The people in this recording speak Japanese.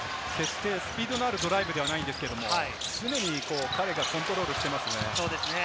スピードのあるドライブではないんですけれども常に彼がコントロールしていますね。